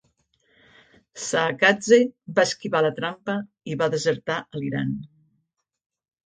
Saakadze va esquivar la trampa i va desertar a l'Iran.